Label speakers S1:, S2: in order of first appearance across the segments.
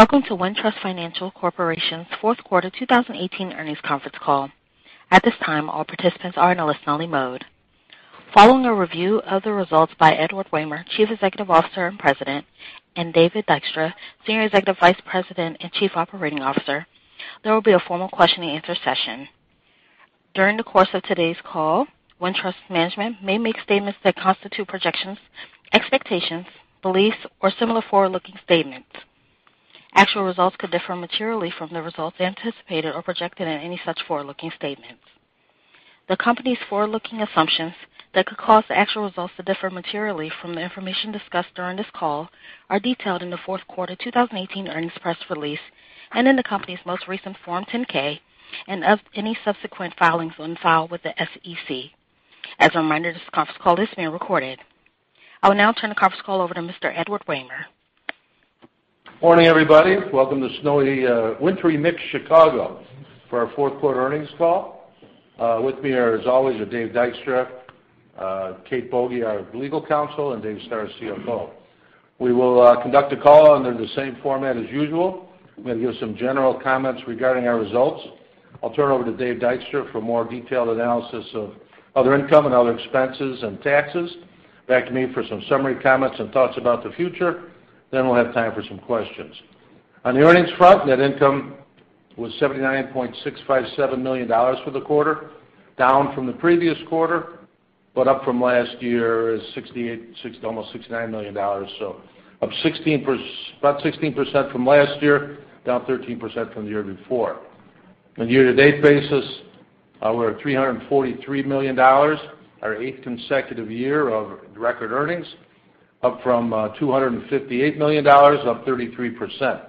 S1: Welcome to Wintrust Financial Corporation's fourth quarter 2018 earnings conference call. At this time, all participants are in a listen-only mode. Following a review of the results by Edward Wehmer, Chief Executive Officer and President, and David Dykstra, Senior Executive Vice President and Chief Operating Officer, there will be a formal question-and-answer session. During the course of today's call, Wintrust management may make statements that constitute projections, expectations, beliefs, or similar forward-looking statements. Actual results could differ materially from the results anticipated or projected in any such forward-looking statements. The company's forward-looking assumptions that could cause the actual results to differ materially from the information discussed during this call are detailed in the fourth quarter 2018 earnings press release and in the company's most recent Form 10-K and of any subsequent filings on file with the SEC. As a reminder, this conference call is being recorded. I will now turn the conference call over to Mr. Edward Wehmer.
S2: Morning, everybody. Welcome to snowy, wintry mix Chicago for our fourth quarter earnings call. With me are, as always, Dave Dykstra, Kathleen Boege, our legal counsel, and David Stoehr, our CFO. We will conduct the call under the same format as usual. I'm going to give some general comments regarding our results. I'll turn it over to Dave Dykstra for more detailed analysis of other income and other expenses and taxes. Back to me for some summary comments and thoughts about the future. We'll have time for some questions. On the earnings front, net income was $79.657 million for the quarter, down from the previous quarter, but up from last year's almost $69 million. Up about 16% from last year, down 13% from the year before. On a year-to-date basis, we're at $343 million. Our eighth consecutive year of record earnings, up from $258 million, up 33%.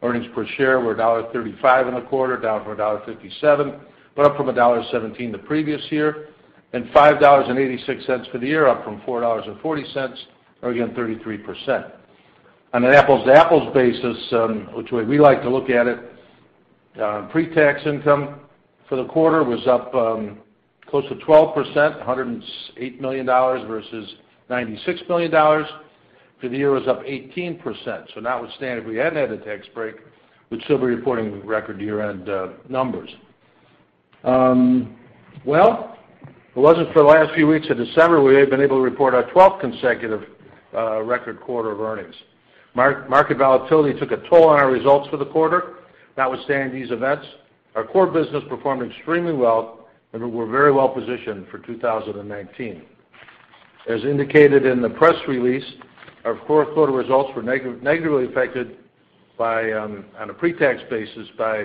S2: Earnings per share were $1.35 in the quarter, down from $1.57, but up from $1.17 the previous year. $5.86 for the year, up from $4.40, or again, 33%. On an apples-to-apples basis, which we like to look at it, pretax income for the quarter was up close to 12%, $108 million versus $96 million. For the year, it was up 18%. Notwithstanding if we hadn't had a tax break, we would've been able to report our 12th consecutive record quarter of earnings. Market volatility took a toll on our results for the quarter. Notwithstanding these events, our core business performed extremely well, and we're very well positioned for 2019. As indicated in the press release, our fourth quarter results were negatively affected on a pretax basis by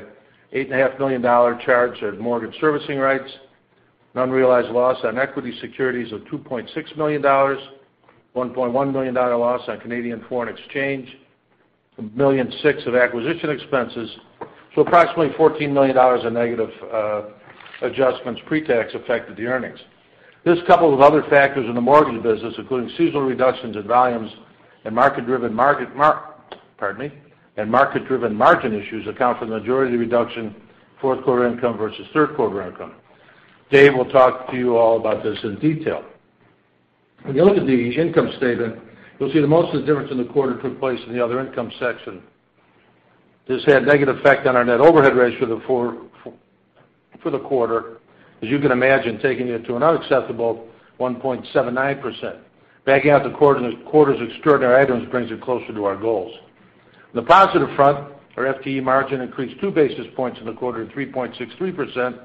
S2: $8.5 million charge of mortgage servicing rights, an unrealized loss on equity securities of $2.6 million, $1.1 million loss on Canadian foreign exchange, $1.6 million of acquisition expenses. Approximately $14 million of negative adjustments pretax affected the earnings. This coupled with other factors in the mortgage business, including seasonal reductions in volumes and market-driven margin issues, account for the majority of the reduction fourth quarter income versus third quarter income. Dave will talk to you all about this in detail. When you look at the income statement, you'll see that most of the difference in the quarter took place in the other income section. This had a negative effect on our net overhead ratio for the quarter, as you can imagine, taking it to an unacceptable 1.79%. Backing out the quarter's extraordinary items brings it closer to our goals. On the positive front, our FTE margin increased two basis points in the quarter to 3.63%,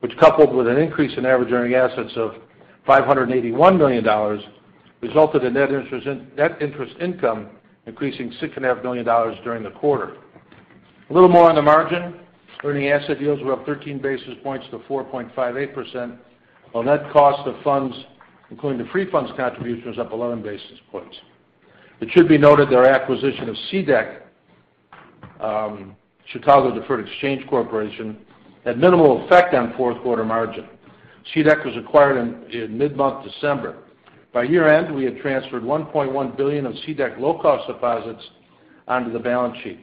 S2: which, coupled with an increase in average earning assets of $581 million, resulted in net interest income increasing $6.5 million during the quarter. A little more on the margin. Earning asset yields were up 13 basis points to 4.58%, while net cost of funds, including the free funds contribution, was up 11 basis points. It should be noted that our acquisition of CDEC, Chicago Deferred Exchange Company, had minimal effect on fourth quarter margin. CDEC was acquired in mid-month December. By year-end, we had transferred $1.1 billion of CDEC low-cost deposits onto the balance sheet.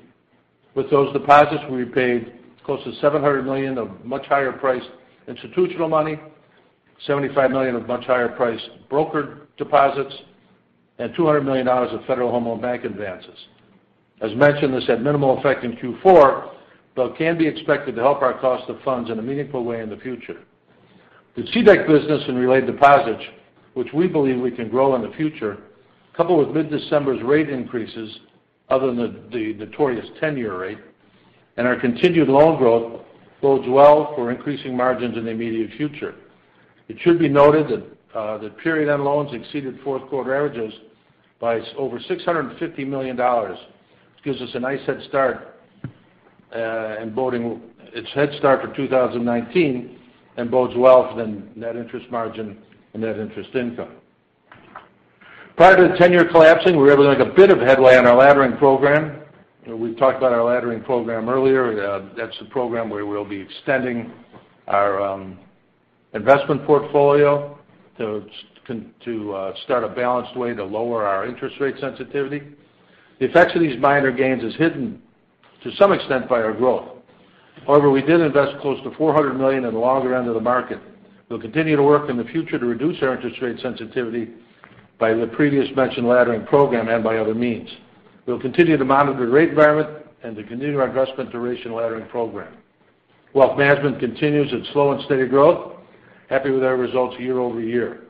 S2: With those deposits, we repaid close to $700 million of much higher priced institutional money, $75 million of much higher priced broker deposits, and $200 million of Federal Home Loan Bank advances. As mentioned, this had minimal effect in Q4, but can be expected to help our cost of funds in a meaningful way in the future. The CDEC business and related deposits, which we believe we can grow in the future, coupled with mid-December's rate increases, other than the notorious 10-year rate, and our continued loan growth, bodes well for increasing margins in the immediate future. It should be noted that period-end loans exceeded fourth quarter averages by over $650 million. It gives us a nice head start for 2019 and bodes well for the net interest margin and net interest income. Prior to the 10-year collapsing, we were able to make a bit of headway on our laddering program. We talked about our laddering program earlier. That's the program where we'll be extending our investment portfolio to start a balanced way to lower our interest rate sensitivity. The effects of these minor gains is hidden to some extent by our growth. However, we did invest close to $400 million in the longer end of the market. We'll continue to work in the future to reduce our interest rate sensitivity by the previous mentioned laddering program and by other means. We'll continue to monitor the rate environment and to continue our investment duration laddering program. Wealth management continues its slow and steady growth. Happy with our results year-over-year.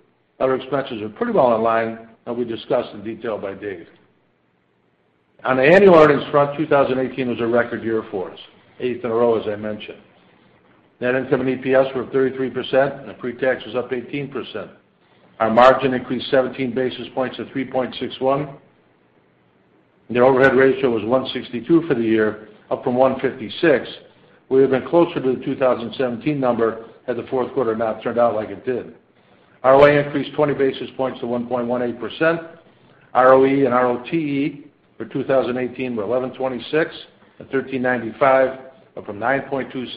S2: Other expenses are pretty well in line, will be discussed in detail by Dave. On the annual earnings front, 2018 was a record year for us. Eighth in a row, as I mentioned. Net income and EPS were up 33%, and pre-tax was up 18%. Our margin increased 17 basis points to 3.61%, and the overhead ratio was 162% for the year, up from 156%. We would've been closer to the 2017 number had the fourth quarter not turned out like it did. ROA increased 20 basis points to 1.18%. ROE and ROTE for 2018 were 11.26% and 13.95%, up from 9.26%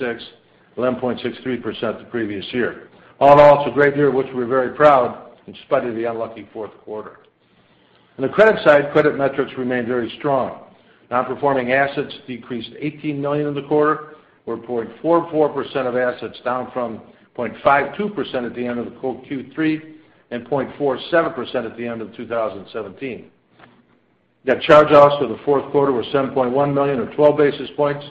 S2: to 11.63% the previous year. All in all, it's a great year of which we're very proud, in spite of the unlucky fourth quarter. On the credit side, credit metrics remained very strong. Non-performing assets decreased $18 million in the quarter, or 0.44% of assets, down from 0.52% at the end of Q3, and 0.47% at the end of 2017. Net charge-offs for the fourth quarter were $7.1 million, or 12 basis points.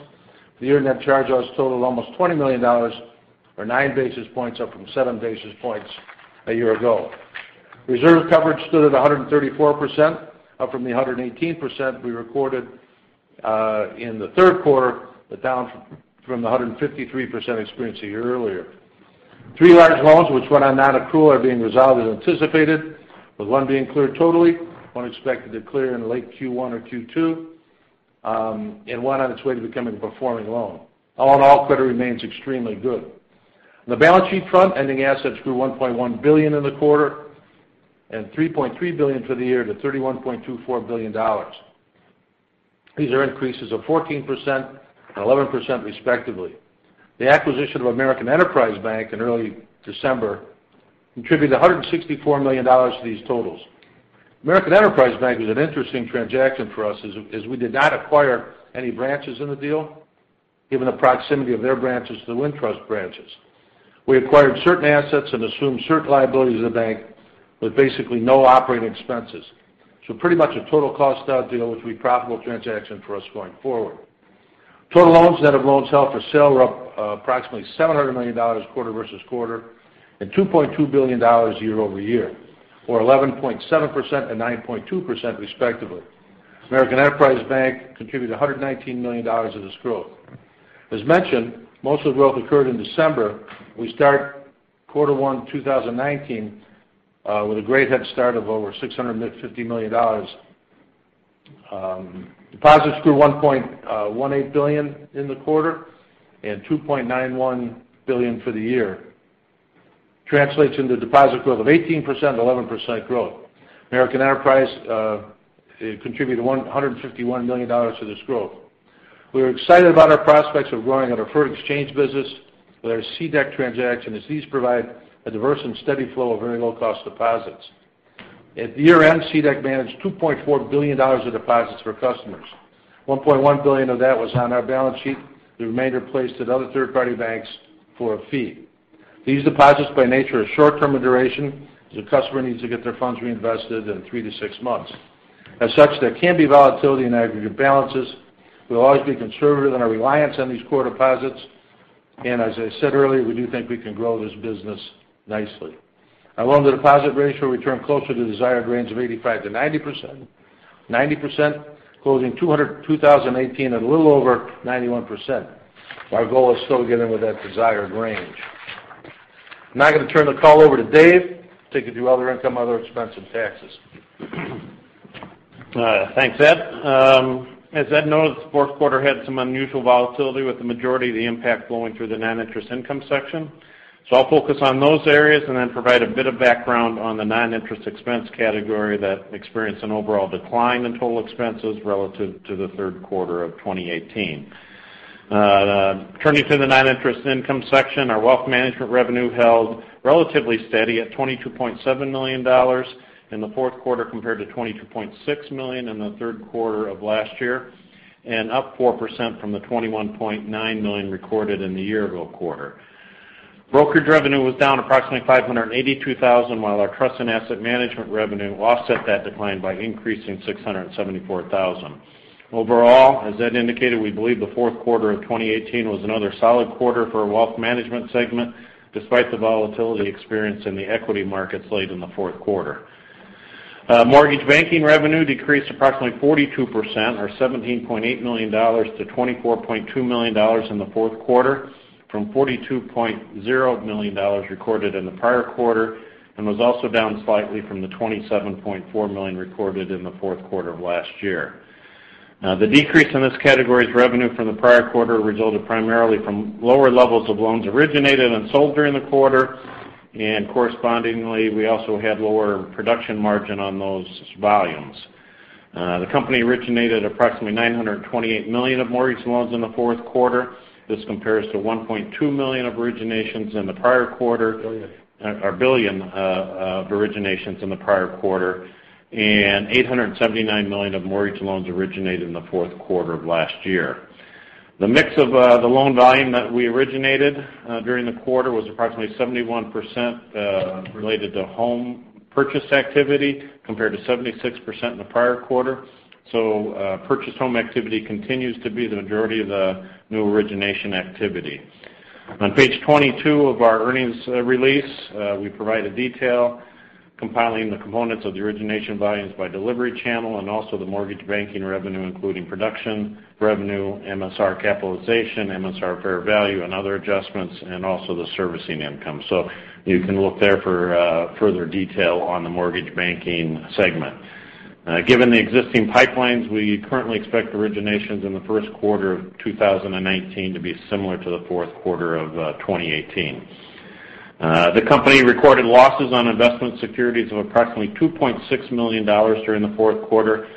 S2: The year net charge-offs total almost $20 million, or nine basis points, up from seven basis points a year ago. Reserve coverage stood at 134%, up from the 118% we recorded in the third quarter, but down from the 153% experienced a year earlier. Three large loans which went on non-accrual are being resolved as anticipated, with one being cleared totally, one expected to clear in late Q1 or Q2, and one on its way to becoming a performing loan. All in all, credit remains extremely good. On the balance sheet front, ending assets grew $1.1 billion in the quarter, and $3.3 billion for the year to $31.24 billion. These are increases of 14% and 11% respectively. The acquisition of American Enterprise Bank in early December contributed $164 million to these totals. American Enterprise Bank was an interesting transaction for us, as we did not acquire any branches in the deal, given the proximity of their branches to the Wintrust branches. We acquired certain assets and assumed certain liabilities of the bank with basically no operating expenses. Pretty much a total cost out deal which will be a profitable transaction for us going forward. Total loans, net of loans held for sale were up approximately $700 million quarter versus quarter, and $2.2 billion year-over-year. 11.7% and 9.2% respectively. American Enterprise Bank contributed $119 million of this growth. As mentioned, most of the growth occurred in December. We start quarter one 2019 with a great head start of over $650 million. Deposits grew $1.18 billion in the quarter, and $2.91 billion for the year. Translates into deposit growth of 18% and 11% growth. American Enterprise contributed $151 million to this growth. We are excited about our prospects of growing our deferred exchange business with our CDEC transaction, as these provide a diverse and steady flow of very low-cost deposits. At year-end, CDEC managed $2.4 billion of deposits for customers. $1.1 billion of that was on our balance sheet. The remainder placed at other third-party banks for a fee. These deposits, by nature, are short-term in duration, as a customer needs to get their funds reinvested in three to six months. As such, there can be volatility in aggregate balances. We will always be conservative in our reliance on these core deposits, and as I said earlier, we do think we can grow this business nicely. Our loan-to-deposit ratio returned closer to the desired range of 85% to 90%, closing 2018 at a little over 91%. Our goal is still to get into that desired range. I'm now going to turn the call over to Dave to take you through other income, other expense, and taxes.
S3: Thanks, Ed. As Ed noted, the fourth quarter had some unusual volatility, with the majority of the impact flowing through the non-interest income section. I'll focus on those areas, then provide a bit of background on the non-interest expense category that experienced an overall decline in total expenses relative to the third quarter of 2018. Turning to the non-interest income section, our wealth management revenue held relatively steady at $22.7 million in the fourth quarter, compared to $22.6 million in the third quarter of last year. Up 4% from the $21.9 million recorded in the year-ago quarter. Brokerage revenue was down approximately $582,000, while our trust and asset management revenue offset that decline by increasing $674,000. Overall, as Ed indicated, we believe the fourth quarter of 2018 was another solid quarter for our wealth management segment, despite the volatility experienced in the equity markets late in the fourth quarter. Mortgage banking revenue decreased approximately 42%, or $17.8 million, to $24.2 million in the fourth quarter, from $42.0 million recorded in the prior quarter, and was also down slightly from the $27.4 million recorded in the fourth quarter of last year. The decrease in this category's revenue from the prior quarter resulted primarily from lower levels of loans originated and sold during the quarter. Correspondingly, we also had lower production margin on those volumes. The company originated approximately $928 million of mortgage loans in the fourth quarter. This compares to $1.2 million of originations in the prior quarter.
S2: Billion.
S3: Billion of originations in the prior quarter. $879 million of mortgage loans originated in the fourth quarter of last year. The mix of the loan volume that we originated during the quarter was approximately 71% related to home purchase activity, compared to 76% in the prior quarter. Purchase home activity continues to be the majority of the new origination activity. On page 22 of our earnings release, we provide a detail compiling the components of the origination volumes by delivery channel, also the mortgage banking revenue, including production revenue, MSR capitalization, MSR fair value, and other adjustments, and also the servicing income. You can look there for further detail on the mortgage banking segment. Given the existing pipelines, we currently expect originations in the first quarter of 2019 to be similar to the fourth quarter of 2018. The company recorded losses on investment securities of approximately $2.6 million during the fourth quarter,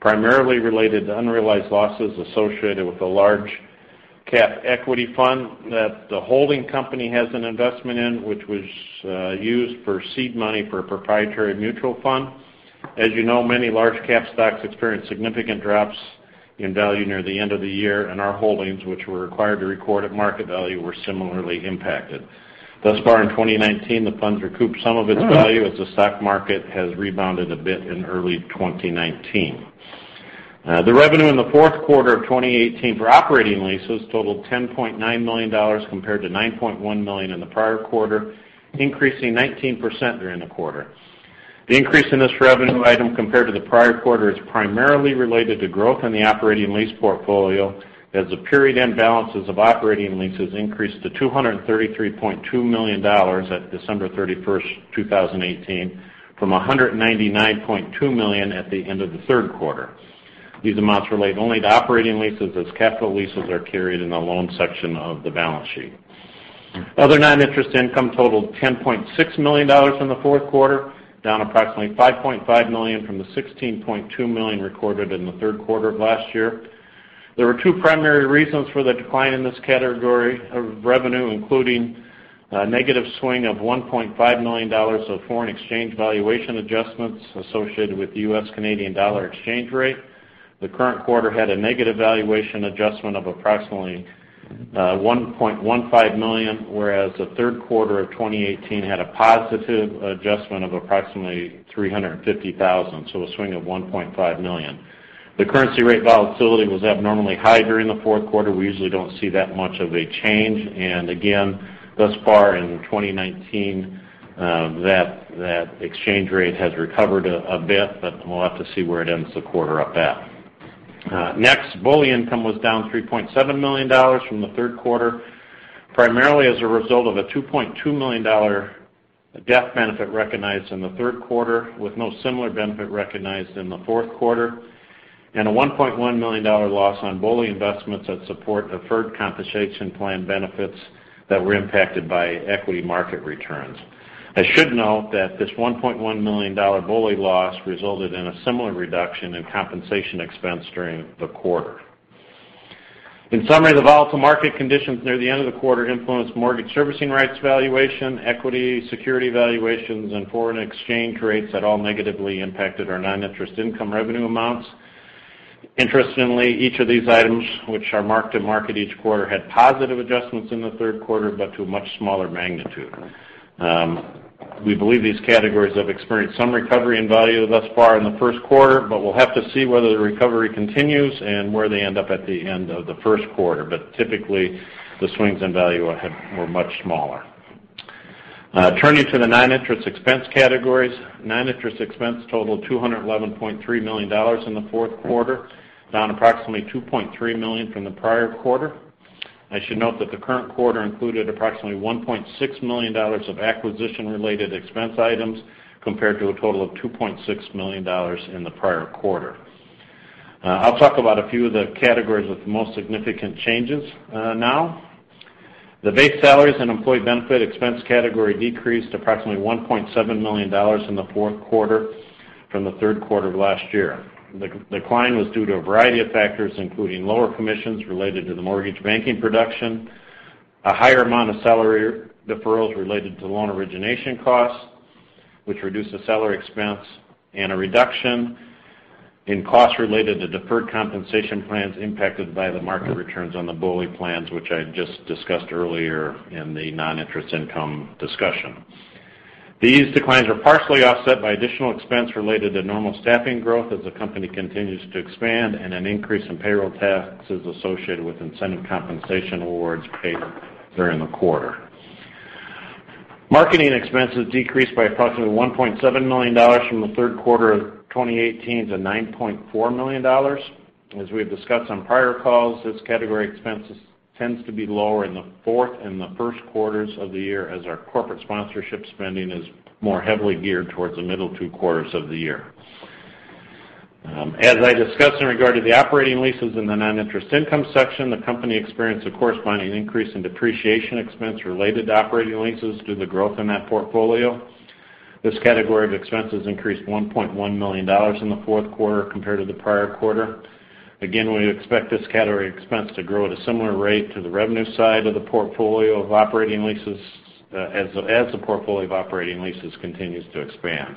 S3: primarily related to unrealized losses associated with a large-cap equity fund that the holding company has an investment in, which was used for seed money for a proprietary mutual fund. As you know, many large-cap stocks experienced significant drops in value near the end of the year, and our holdings, which were required to record at market value, were similarly impacted. Thus far in 2019, the fund's recouped some of its value as the stock market has rebounded a bit in early 2019. The revenue in the fourth quarter of 2018 for operating leases totaled $10.9 million, compared to $9.1 million in the prior quarter, increasing 19% during the quarter. The increase in this revenue item compared to the prior quarter is primarily related to growth in the operating lease portfolio, as the period-end balances of operating leases increased to $233.2 million at December 31st, 2018, from $199.2 million at the end of the third quarter. These amounts relate only to operating leases, as capital leases are carried in the loan section of the balance sheet. Other non-interest income totaled $10.6 million in the fourth quarter, down approximately $5.5 million from the $16.2 million recorded in the third quarter of last year. There were two primary reasons for the decline in this category of revenue, including a negative swing of $1.5 million of foreign exchange valuation adjustments associated with the U.S./Canadian dollar exchange rate. The current quarter had a negative valuation adjustment of approximately $1.15 million, whereas the third quarter of 2018 had a positive adjustment of approximately $350,000. A swing of $1.5 million. The currency rate volatility was abnormally high during the fourth quarter. We usually don't see that much of a change. Thus far in 2019, that exchange rate has recovered a bit, but we'll have to see where it ends the quarter up at. Next, BOLI income was down $3.7 million from the third quarter, primarily as a result of a $2.2 million death benefit recognized in the third quarter, with no similar benefit recognized in the fourth quarter, and a $1.1 million loss on BOLI investments that support deferred compensation plan benefits that were impacted by equity market returns. I should note that this $1.1 million BOLI loss resulted in a similar reduction in compensation expense during the quarter. In summary, the volatile market conditions near the end of the quarter influenced mortgage servicing rights valuation, equity, security valuations, and foreign exchange rates that all negatively impacted our non-interest income revenue amounts. Interestingly, each of these items, which are marked to market each quarter, had positive adjustments in the third quarter, but to a much smaller magnitude. We believe these categories have experienced some recovery in value thus far in the first quarter, but we'll have to see whether the recovery continues and where they end up at the end of the first quarter. Typically, the swings in value were much smaller. Turning to the non-interest expense categories. Non-interest expense totaled $211.3 million in the fourth quarter, down approximately $2.3 million from the prior quarter. I should note that the current quarter included approximately $1.6 million of acquisition-related expense items, compared to a total of $2.6 million in the prior quarter. I'll talk about a few of the categories with the most significant changes now. The base salaries and employee benefit expense category decreased approximately $1.7 million in the fourth quarter from the third quarter of last year. The decline was due to a variety of factors, including lower commissions related to the mortgage banking production, a higher amount of salary deferrals related to loan origination costs, which reduced the salary expense, and a reduction in costs related to deferred compensation plans impacted by the market returns on the BOLI plans, which I just discussed earlier in the non-interest income discussion. These declines were partially offset by additional expense related to normal staffing growth as the company continues to expand, and an increase in payroll taxes associated with incentive compensation awards paid during the quarter. Marketing expenses decreased by approximately $1.7 million from the third quarter of 2018 to $9.4 million. As we have discussed on prior calls, this category expense tends to be lower in the fourth and the first quarters of the year, as our corporate sponsorship spending is more heavily geared towards the middle two quarters of the year. As I discussed in regard to the operating leases in the non-interest income section, the company experienced a corresponding increase in depreciation expense related to operating leases due to growth in that portfolio. This category of expenses increased $1.1 million in the fourth quarter compared to the prior quarter. Again, we expect this category expense to grow at a similar rate to the revenue side of the portfolio of operating leases, as the portfolio of operating leases continues to expand.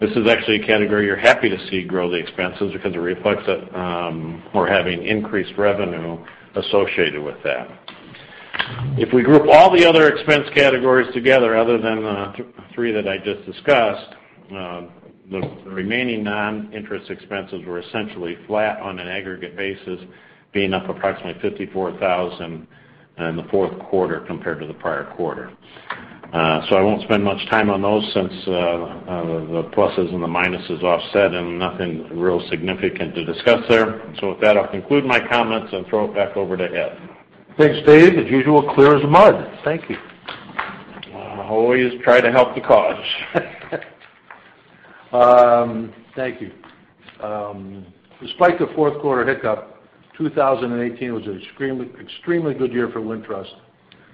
S3: This is actually a category you're happy to see grow the expenses because it reflects that we're having increased revenue associated with that. If we group all the other expense categories together, other than the three that I just discussed, the remaining non-interest expenses were essentially flat on an aggregate basis, being up approximately $54,000 in the fourth quarter compared to the prior quarter. I won't spend much time on those since the pluses and the minuses offset and nothing real significant to discuss there. With that, I'll conclude my comments and throw it back over to Ed.
S2: Thanks, Dave. As usual, clear as mud. Thank you.
S3: I always try to help the cause.
S2: Thank you. Despite the fourth quarter hiccup, 2018 was an extremely good year for Wintrust,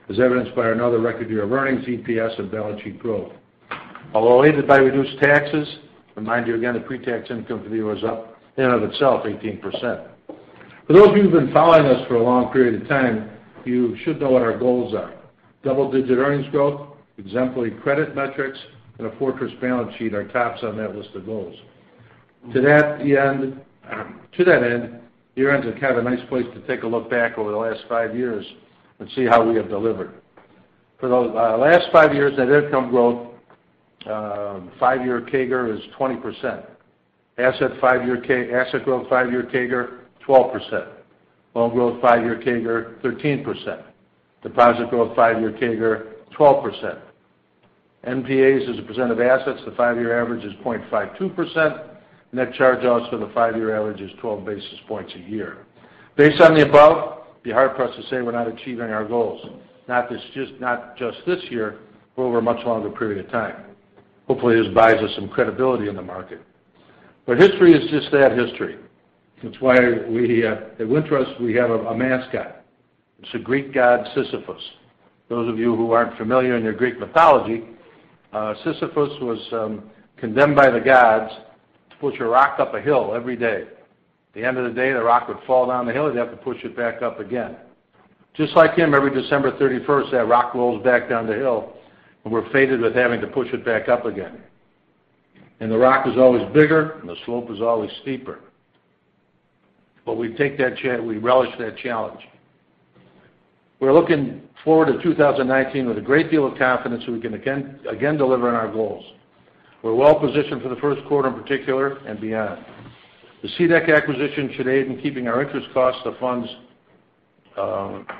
S2: as evidenced by another record year of earnings EPS and balance sheet growth. Although aided by reduced taxes, remind you again that pre-tax income for the year was up in and of itself 18%. For those of you who've been following us for a long period of time, you should know what our goals are. Double-digit earnings growth, exemplary credit metrics, and a fortress balance sheet are tops on that list of goals. To that end, year-end's a kind of nice place to take a look back over the last five years and see how we have delivered. For those last five years, net income growth, five-year CAGR is 20%. Asset growth, five-year CAGR, 12%. Loan growth, five-year CAGR, 13%. Deposit growth, five-year CAGR, 12%. NPAs as a percent of assets, the five-year average is 0.52%. Net charge-offs for the five-year average is 12 basis points a year. Based on the above, it'd be hard-pressed to say we're not achieving our goals, not just this year, but over a much longer period of time. Hopefully, this buys us some credibility in the market. History is just that, history. That's why at Wintrust, we have a mascot. It's the Greek god, Sisyphus. For those of you who aren't familiar in your Greek mythology, Sisyphus was condemned by the gods to push a rock up a hill every day. At the end of the day, the rock would fall down the hill, he'd have to push it back up again. Just like him, every December 31st, that rock rolls back down the hill, we're fated with having to push it back up again. The rock is always bigger, the slope is always steeper. We relish that challenge. We're looking forward to 2019 with a great deal of confidence that we can again deliver on our goals. We're well positioned for the first quarter in particular, and beyond. The CDEC acquisition should aid in keeping our interest costs of funds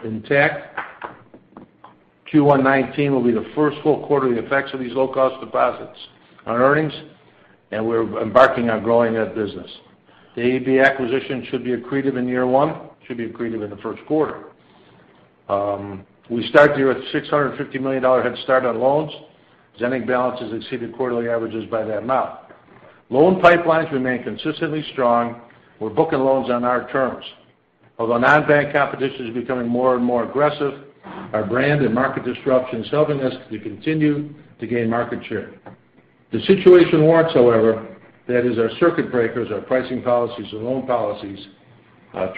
S2: intact. Q1 '19 will be the first full quarter of the effects of these low-cost deposits on earnings, we're embarking on growing that business. The AEB acquisition should be accretive in year one, should be accretive in the first quarter. We start the year with $650 million head start on loans. ZBA balances exceeded quarterly averages by that amount. Loan pipelines remain consistently strong. We're booking loans on our terms. Although non-bank competition is becoming more and more aggressive, our brand and market disruption is helping us to continue to gain market share. If the situation warrants, however, that is our circuit breakers, our pricing policies and loan policies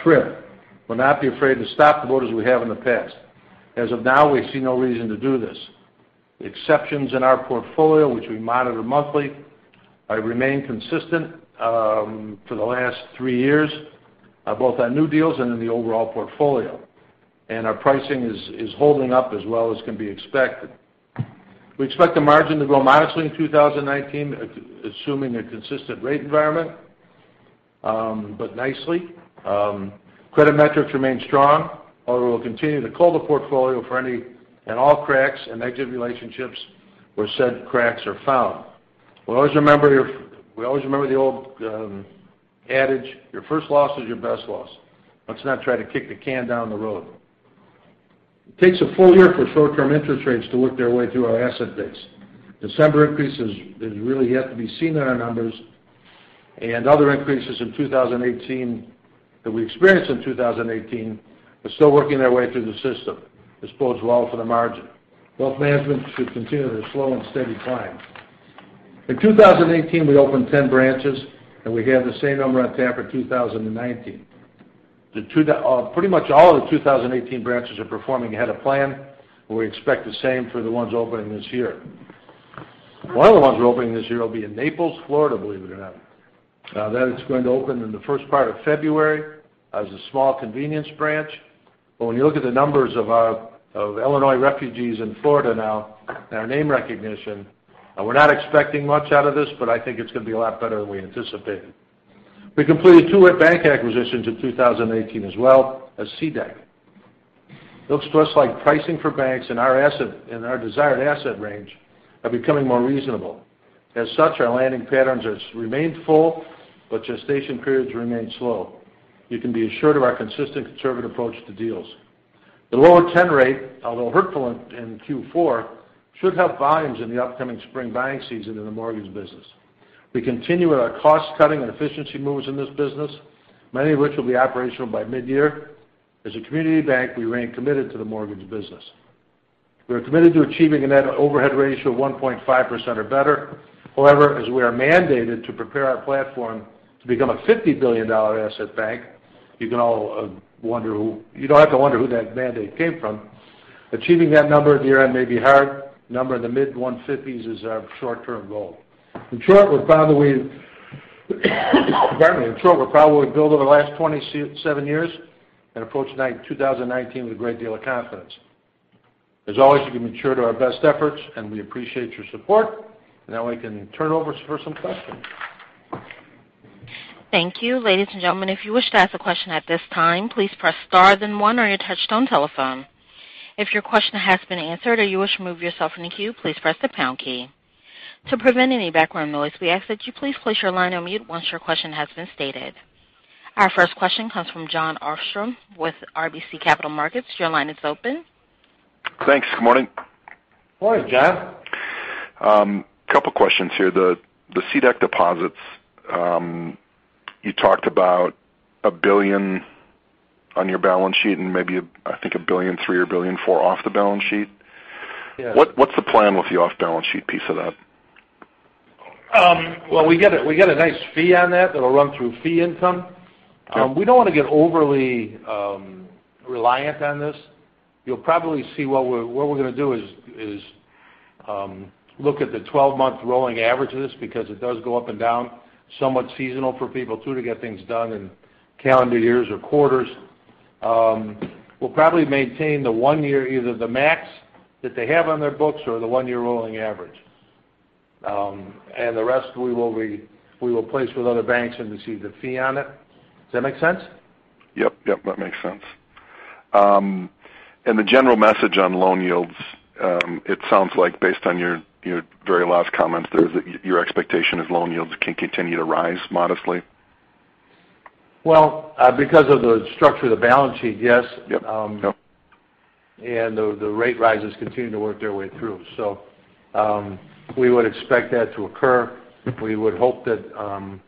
S2: trip. We'll not be afraid to stop the boat as we have in the past. As of now, we see no reason to do this. Exceptions in our portfolio, which we monitor monthly, have remained consistent for the last three years, both on new deals and in the overall portfolio. Our pricing is holding up as well as can be expected. We expect the margin to grow modestly in 2019, assuming a consistent rate environment, but nicely. Credit metrics remain strong. We'll continue to cull the portfolio for any and all cracks in exit relationships where said cracks are found. We always remember the old adage, your first loss is your best loss. Let's not try to kick the can down the road. It takes a full year for short-term interest rates to work their way through our asset base. December increases is really yet to be seen in our numbers. Other increases that we experienced in 2018 are still working their way through the system. This bodes well for the margin. Wealth management should continue at a slow and steady climb. In 2018, we opened 10 branches. We have the same number on tap for 2019. Pretty much all of the 2018 branches are performing ahead of plan. We expect the same for the ones opening this year. One of the ones we're opening this year will be in Naples, Florida, believe it or not. That is going to open in the first part of February as a small convenience branch. When you look at the numbers of Illinois refugees in Florida now and our name recognition, we're not expecting much out of this, but I think it's going to be a lot better than we anticipated. We completed two bank acquisitions in 2018 as well as CDEC. It looks to us like pricing for banks in our desired asset range are becoming more reasonable. As such, our landing patterns have remained full, but gestation periods remain slow. You can be assured of our consistent conservative approach to deals. The lower 10 rate, although hurtful in Q4, should help volumes in the upcoming spring buying season in the mortgage business. We continue with our cost-cutting and efficiency moves in this business. Many of which will be operational by mid-year. As a community bank, we remain committed to the mortgage business. We are committed to achieving a net overhead ratio of 1.5% or better. As we are mandated to prepare our platform to become a $50 billion asset bank. You can all wonder who. You don't have to wonder who that mandate came from. Achieving that number at year-end may be hard. Number in the mid-150s is our short-term goal. Wintrust was, by the way, probably built over the last 27 years and approach 2019 with a great deal of confidence. As always, you can be sure to our best efforts. We appreciate your support. Now I can turn it over for some questions.
S1: Thank you. Ladies and gentlemen, if you wish to ask a question at this time, please press star then 1 on your touchtone telephone. If your question has been answered or you wish to remove yourself from the queue, please press the pound key. To prevent any background noise, we ask that you please place your line on mute once your question has been stated. Our first question comes from Jon Arfstrom with RBC Capital Markets. Your line is open.
S4: Thanks. Good morning.
S2: Morning, Jon.
S4: A couple of questions here. The CDEC deposits, you talked about $1 billion on your balance sheet and maybe, I think $1.3 billion or $1.4 billion off the balance sheet.
S2: Yes.
S4: What's the plan with the off-balance sheet piece of that?
S2: Well, we get a nice fee on that that'll run through fee income.
S4: Sure.
S2: We don't want to get overly reliant on this. You'll probably see what we're going to do is look at the 12-month rolling average of this because it does go up and down. Somewhat seasonal for people too to get things done in calendar years or quarters. We'll probably maintain the one year, either the max that they have on their books or the one-year rolling average. The rest, we will place with other banks and receive the fee on it. Does that make sense?
S4: Yep, that makes sense. The general message on loan yields, it sounds like based on your very last comments there, that your expectation is loan yields can continue to rise modestly?
S2: Well, because of the structure of the balance sheet, yes.
S4: Yep.
S2: The rate rises continue to work their way through. We would expect that to occur. We would hope that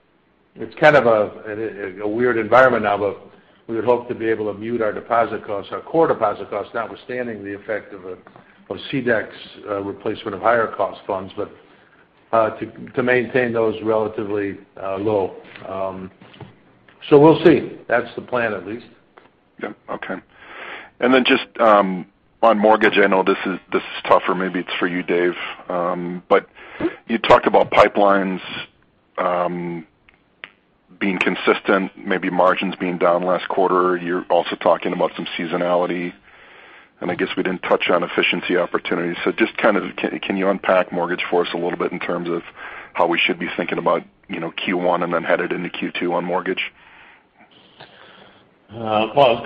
S2: it's kind of a weird environment now, but we would hope to be able to mute our deposit costs, our core deposit costs, notwithstanding the effect of CDEC's replacement of higher cost funds, but to maintain those relatively low. We'll see. That's the plan at least.
S4: Yep. Okay. Just on mortgage, I know this is tougher. Maybe it's for you, Dave. You talked about pipelines, being consistent, maybe margins being down last quarter. You're also talking about some seasonality. I guess we didn't touch on efficiency opportunities. Just can you unpack mortgage for us a little bit in terms of how we should be thinking about Q1 and then headed into Q2 on mortgage?
S3: Well,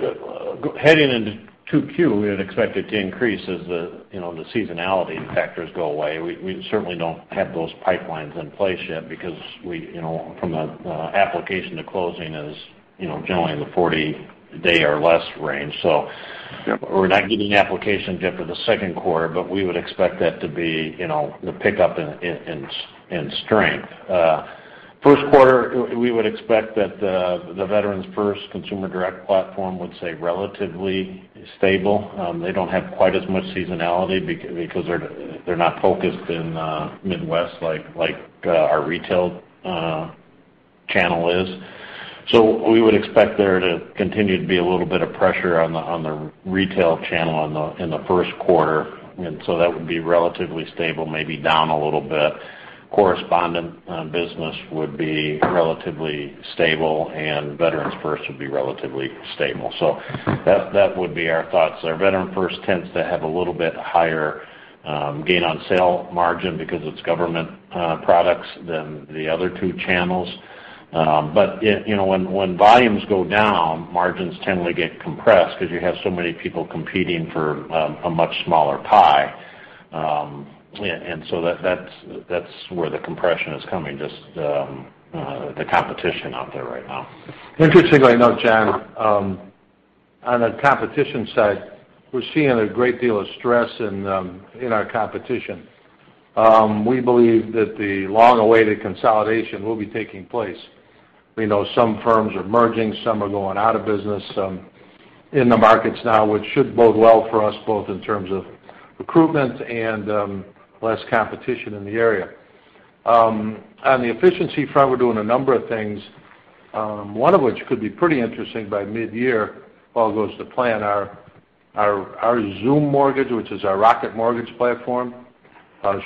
S3: heading into 2Q, we would expect it to increase as the seasonality factors go away. We certainly don't have those pipelines in place yet because from the application to closing is generally in the 40-day or less range.
S4: Yep
S3: We're not getting applications yet for the second quarter. We would expect that to pick up in strength. First quarter, we would expect that the Veterans First consumer direct platform, let's say, relatively stable. They don't have quite as much seasonality because they're not focused in Midwest like our retail channel is. We would expect there to continue to be a little bit of pressure on the retail channel in the first quarter. That would be relatively stable, maybe down a little bit. Correspondent business would be relatively stable, and Veterans First would be relatively stable. That would be our thoughts there. Veterans First tends to have a little bit higher gain on sale margin because it's government products than the other two channels. When volumes go down, margins tend to get compressed because you have so many people competing for a much smaller pie. That's where the compression is coming, just the competition out there right now.
S2: Interestingly enough, Jon, on the competition side, we're seeing a great deal of stress in our competition. We believe that the long-awaited consolidation will be taking place. We know some firms are merging, some are going out of business, in the markets now, which should bode well for us, both in terms of recruitment and less competition in the area. On the efficiency front, we're doing a number of things, one of which could be pretty interesting by mid-year. While goes to plan our Zuum Mortgage, which is our Rocket Mortgage platform, we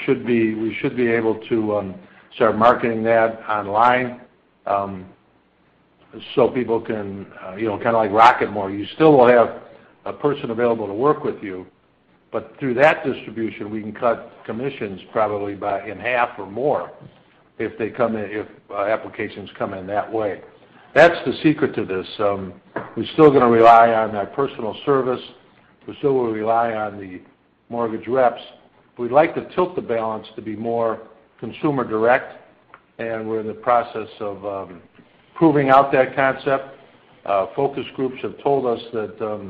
S2: should be able to start marketing that online, so people can kind of like Rocket Mortgage. You still will have a person available to work with you. Through that distribution, we can cut commissions probably by in half or more if applications come in that way. That's the secret to this. We're still going to rely on that personal service. We still will rely on the mortgage reps. We'd like to tilt the balance to be more consumer direct, and we're in the process of proving out that concept. Focus groups have told us that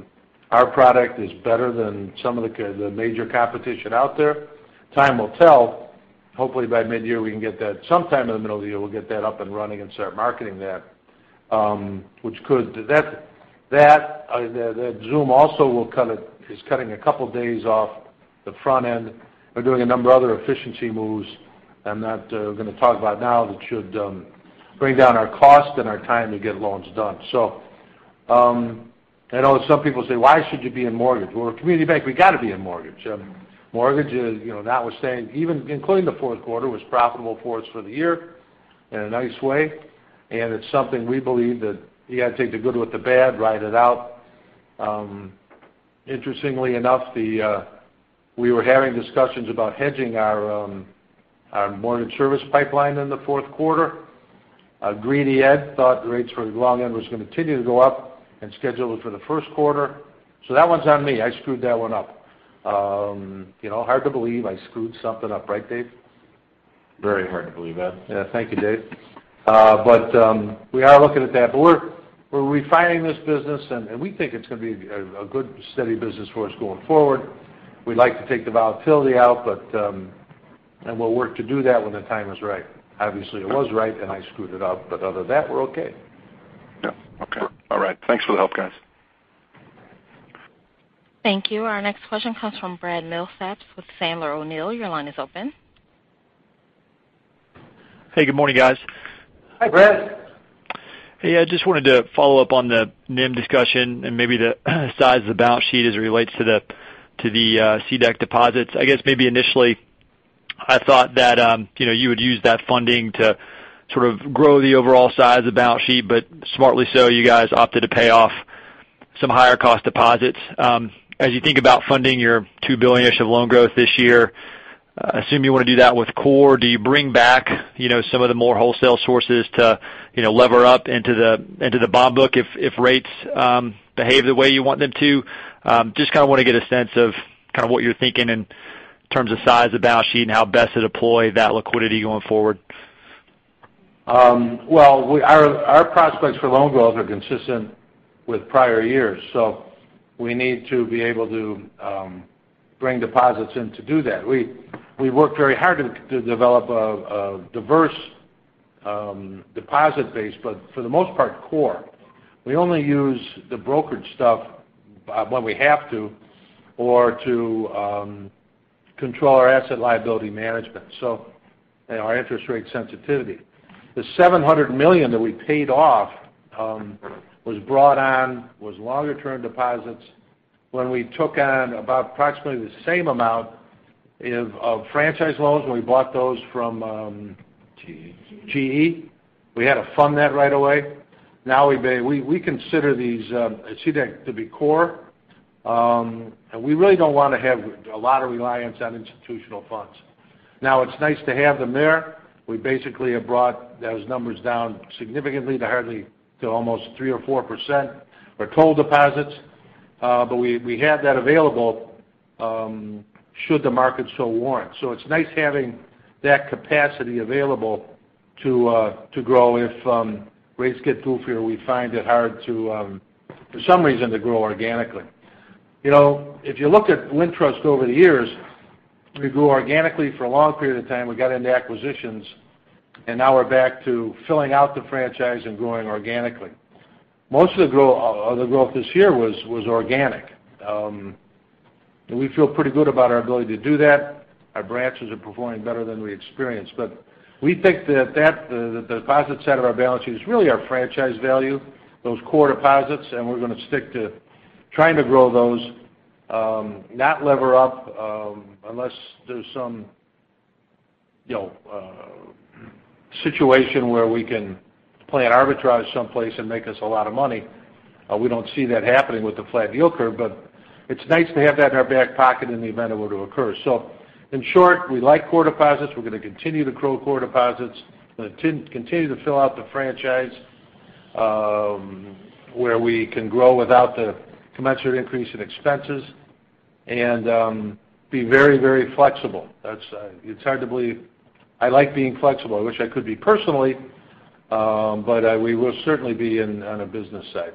S2: our product is better than some of the major competition out there. Time will tell. Hopefully, by mid-year, we can get that sometime in the middle of the year, we'll get that up and running and start marketing that. Zoom also is cutting a couple of days off the front end. We're doing a number of other efficiency moves I'm not going to talk about now, that should bring down our cost and our time to get loans done. I know some people say, "Why should you be in mortgage?" We're a community bank, we got to be in mortgage. Mortgage, notwithstanding, even including the fourth quarter, was profitable for us for the year in a nice way. It's something we believe that you got to take the good with the bad, ride it out. Interestingly enough, we were having discussions about hedging our mortgage service pipeline in the fourth quarter. Greedy Ed thought the rates for the long end was going to continue to go up and scheduled it for the first quarter. That one's on me. I screwed that one up. Hard to believe I screwed something up, right, Dave?
S3: Very hard to believe, Ed.
S2: Yeah. Thank you, Dave. We are looking at that. We're refining this business, and we think it's going to be a good, steady business for us going forward. We'd like to take the volatility out, and we'll work to do that when the time is right. Obviously, it was right and I screwed it up. Other than that, we're okay.
S4: Yeah. Okay. All right. Thanks for the help, guys.
S1: Thank you. Our next question comes from Brad Milsaps with Sandler O'Neill. Your line is open.
S5: Hey, good morning, guys.
S2: Hi, Brad.
S5: Hey. I just wanted to follow up on the NIM discussion and maybe the size of the balance sheet as it relates to the CDEC deposits. I guess maybe initially I thought that you would use that funding to sort of grow the overall size of the balance sheet, but smartly so, you guys opted to pay off some higher cost deposits. As you think about funding your $2 billion-ish of loan growth this year, I assume you want to do that with core. Do you bring back some of the more wholesale sources to lever up into the bond book if rates behave the way you want them to? Just kind of want to get a sense of kind of what you're thinking in terms of size of the balance sheet and how best to deploy that liquidity going forward.
S2: Well, our prospects for loan growth are consistent with prior years. We need to be able to bring deposits in to do that. We worked very hard to develop a diverse deposit base, but for the most part, core. We only use the brokerage stuff when we have to or to control our asset liability management, so our interest rate sensitivity. The $700 million that we paid off was brought on, was longer term deposits. When we took on about approximately the same amount of franchise loans, when we bought those from
S3: GE
S2: GE. We had to fund that right away. We consider these CDEC to be core. We really don't want to have a lot of reliance on institutional funds. Now, it's nice to have them there. We basically have brought those numbers down significantly to almost 3% or 4% for total deposits. We have that available should the market so warrant. It's nice having that capacity available to grow if rates get goofier or we find it hard, for some reason, to grow organically. If you look at Wintrust over the years, we grew organically for a long period of time. We got into acquisitions, and now we're back to filling out the franchise and growing organically. Most of the growth this year was organic. We feel pretty good about our ability to do that. Our branches are performing better than we experienced. We think that the deposit side of our balance sheet is really our franchise value, those core deposits, and we're going to stick to trying to grow those. Not lever up unless there's some situation where we can play an arbitrage someplace and make us a lot of money. We don't see that happening with the flat yield curve. It's nice to have that in our back pocket in the event it were to occur. In short, we like core deposits. We're going to continue to grow core deposits. We'll continue to fill out the franchise, where we can grow without the commensurate increase in expenses and be very flexible. It's hard to believe. I like being flexible. I wish I could be personally, but we will certainly be on a business side.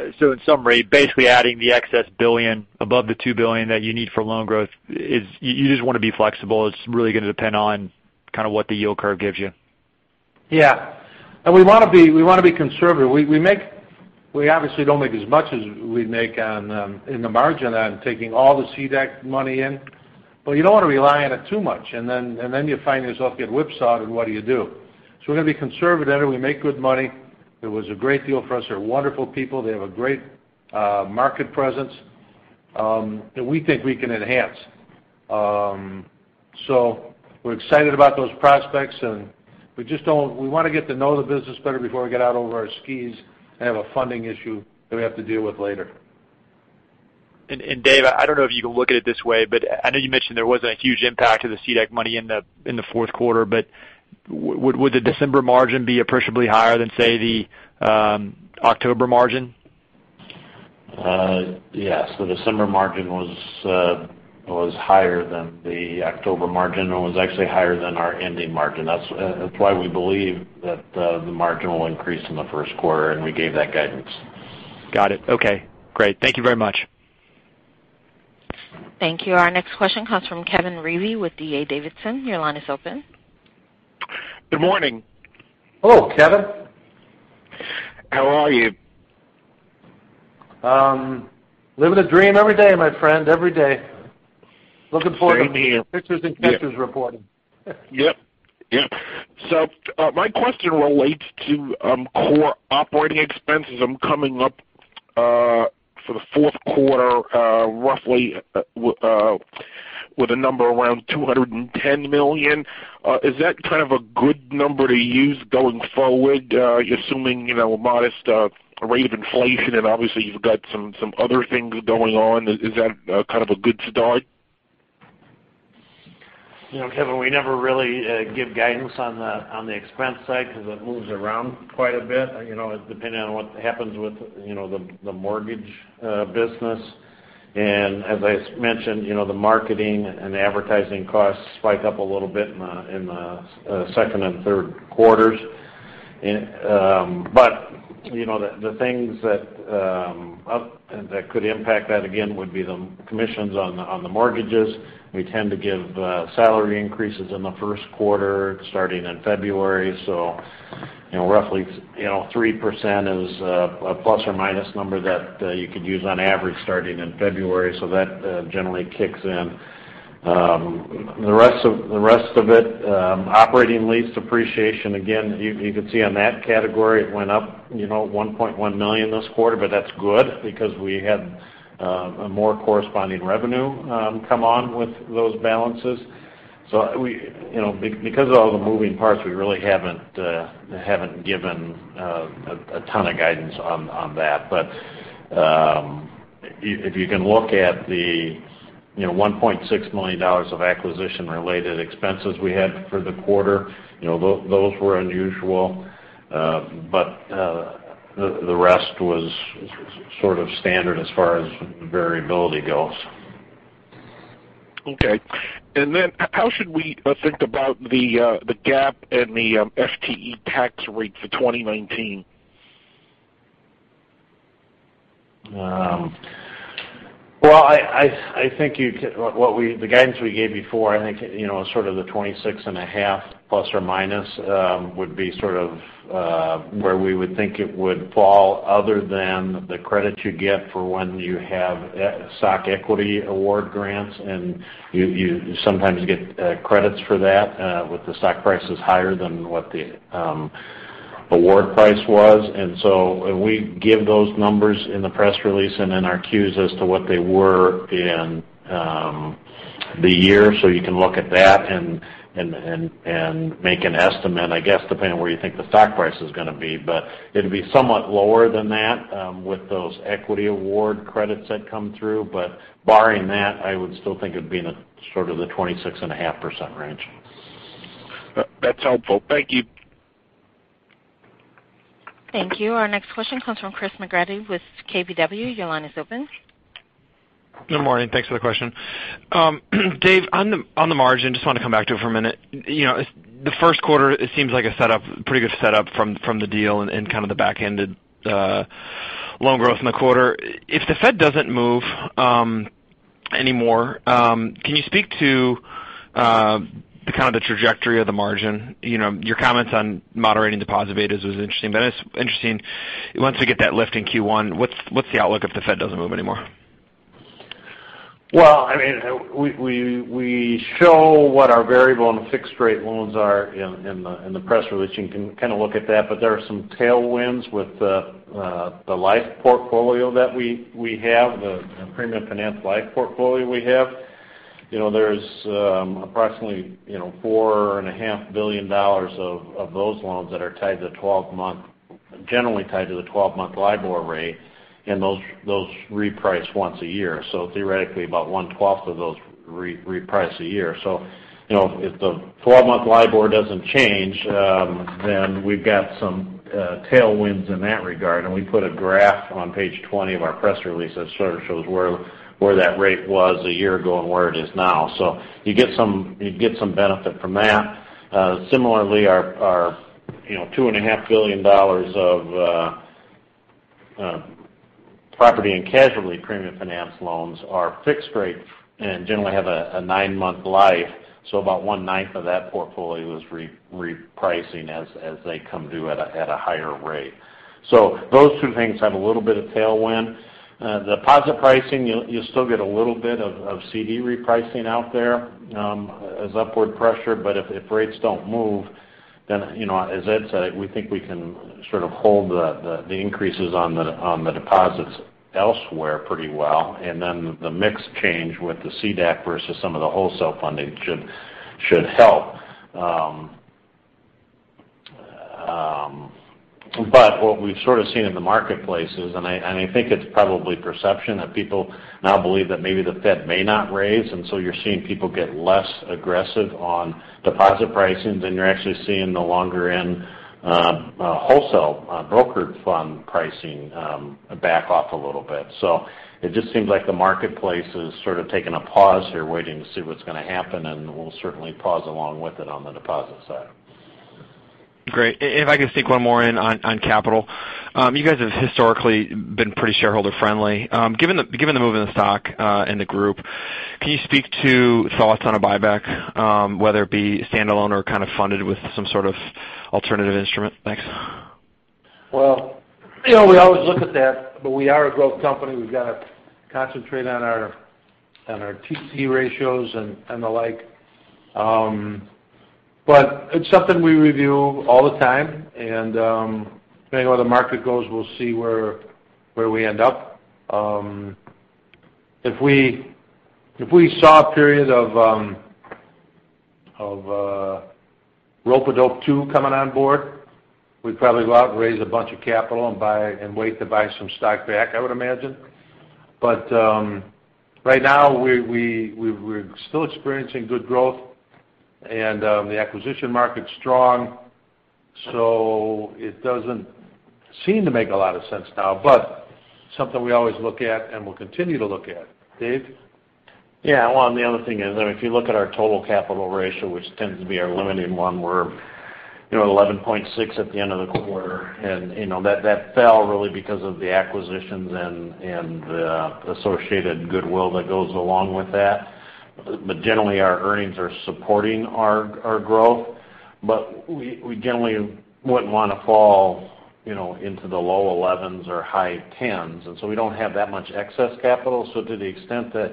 S5: In summary, basically adding the excess $1 billion above the $2 billion that you need for loan growth is, you just want to be flexible. It's really going to depend on kind of what the yield curve gives you.
S2: Yeah. We want to be conservative. We obviously don't make as much as we'd make in the margin on taking all the CDEC money in. You don't want to rely on it too much. Then you find yourself getting whipsawed and what do you do? We're going to be conservative. We make good money. It was a great deal for us. They're wonderful people. They have a great market presence that we think we can enhance. We're excited about those prospects and we want to get to know the business better before we get out over our skis and have a funding issue that we have to deal with later.
S5: Dave, I don't know if you can look at it this way, but I know you mentioned there wasn't a huge impact of the CDEC money in the fourth quarter. Would the December margin be appreciably higher than, say, the October margin?
S3: Yes. The December margin was higher than the October margin, and was actually higher than our ending margin. That's why we believe that the margin will increase in the first quarter, and we gave that guidance.
S5: I got it. Okay, great. Thank you very much.
S1: Thank you. Our next question comes from Kevin Reevey with D.A. Davidson. Your line is open.
S6: Good morning.
S2: Hello, Kevin.
S6: How are you?
S2: Living the dream every day, my friend, every day. Looking forward-
S6: Same here
S2: to pictures and textures reporting.
S6: Yep. My question relates to core operating expenses. I'm coming up for the fourth quarter, roughly with a number around $210 million. Is that kind of a good number to use going forward? You're assuming a modest rate of inflation, obviously you've got some other things going on. Is that kind of a good start?
S3: Kevin, we never really give guidance on the expense side because it moves around quite a bit, depending on what happens with the mortgage business. As I mentioned, the marketing and advertising costs spike up a little bit in the second and third quarters. The things that could impact that again would be the commissions on the mortgages. We tend to give salary increases in the first quarter, starting in February. Roughly 3% is a ± number that you could use on average starting in February. That generally kicks in. The rest of it, operating lease depreciation, again, you could see on that category, it went up, $1.1 million this quarter, but that's good because we had more corresponding revenue come on with those balances. Because of all the moving parts, we really haven't given a ton of guidance on that. If you can look at the $1.6 million of acquisition related expenses we had for the quarter, those were unusual. The rest was sort of standard as far as variability goes.
S6: Okay. How should we think about the GAAP and the FTE tax rate for 2019?
S3: Well, the guidance we gave before, I think, sort of the 26.5% ±, would be sort of, where we would think it would fall other than the credit you get for when you have stock equity award grants, and you sometimes get credits for that with the stock prices higher than what the award price was. We give those numbers in the press release and in our Qs as to what they were in the year. You can look at that and make an estimate, I guess, depending on where you think the stock price is going to be. It'd be somewhat lower than that with those equity award credits that come through. Barring that, I would still think it'd be in sort of the 26.5% range.
S6: That's helpful. Thank you.
S1: Thank you. Our next question comes from Chris McGratty with KBW. Your line is open.
S7: Good morning. Thanks for the question. Dave, on the margin, just want to come back to it for a minute. The first quarter, it seems like a pretty good setup from the deal and kind of the backhanded loan growth in the quarter. If the Fed doesn't move anymore, can you speak to the kind of the trajectory of the margin? Your comments on moderating deposit betas was interesting, but it's interesting once we get that lift in Q1, what's the outlook if the Fed doesn't move anymore?
S3: We show what our variable and fixed rate loans are in the press release. You can kind of look at that, but there are some tailwinds with the life portfolio that we have, the premium finance life portfolio we have. There's approximately $4.5 billion of those loans that are generally tied to the 12-month LIBOR rate, and those reprice once a year. Theoretically, about one twelfth of those reprice a year. If the 12-month LIBOR doesn't change, then we've got some tailwinds in that regard. We put a graph on page 20 of our press release that sort of shows where that rate was a year ago and where it is now. You get some benefit from that. Similarly, our $2.5 billion of property and casualty premium finance loans are fixed rate and generally have a nine-month life. About one ninth of that portfolio is repricing as they come due at a higher rate. Those two things have a little bit of tailwind. Deposit pricing, you'll still get a little bit of CD repricing out there as upward pressure, but if rates don't move, then, as Ed said, we think we can sort of hold the increases on the deposits elsewhere pretty well. The mix change with the CDEC versus some of the wholesale funding should help. What we've sort of seen in the marketplace is, and I think it's probably perception, that people now believe that maybe the Fed may not raise, and so you're seeing people get less aggressive on deposit pricing. You're actually seeing the longer end wholesale brokered fund pricing back off a little bit. It just seems like the marketplace has sort of taken a pause here, waiting to see what's going to happen, and we'll certainly pause along with it on the deposit side.
S7: Great. If I could sneak one more in on capital. You guys have historically been pretty shareholder friendly. Given the move in the stock and the group. Can you speak to thoughts on a buyback, whether it be standalone or kind of funded with some sort of alternative instrument? Thanks.
S2: Well, we always look at that, but we are a growth company. We've got to concentrate on our TC ratios and the like. It's something we review all the time, and depending on where the market goes, we'll see where we end up. If we saw a period of rope-a-dope 2 coming on board, we'd probably go out and raise a bunch of capital and wait to buy some stock back, I would imagine. Right now, we're still experiencing good growth, and the acquisition market's strong. It doesn't seem to make a lot of sense now, but something we always look at and will continue to look at. Dave?
S3: Well, the other thing is, if you look at our total capital ratio, which tends to be our limiting one, we're 11.6% at the end of the quarter. That fell really because of the acquisitions and the associated goodwill that goes along with that. Generally, our earnings are supporting our growth. We generally wouldn't want to fall into the low 11s or high 10s. We don't have that much excess capital. To the extent that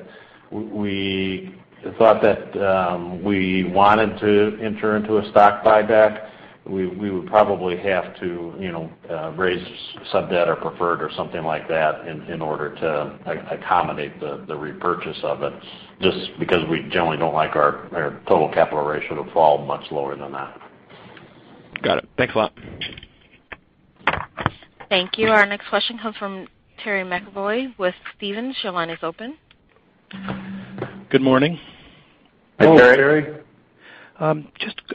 S3: we thought that we wanted to enter into a stock buyback, we would probably have to raise sub-debt or preferred or something like that in order to accommodate the repurchase of it, just because we generally don't like our total capital ratio to fall much lower than that.
S7: Got it. Thanks a lot.
S1: Thank you. Our next question comes from Terry McEvoy with Stephens. Your line is open.
S8: Good morning.
S2: Hi, Terry.
S3: Hi,